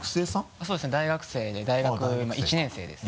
そうですね大学生で大学今１年生ですね。